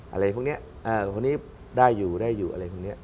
อะไรพวกนี้คนนี้ได้อยู่ได้อยู่อะไรพวกนี้